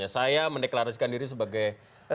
saya mendeklarasikan diri sebagai